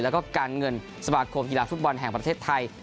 แล้วก็การเงินสมาคมกีฬาฟุตบอลแห่งประเทศไทย